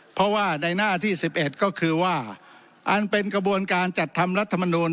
เพราะว่าในหน้าที่๑๑ก็คือว่าอันเป็นกระบวนการจัดทำรัฐมนูล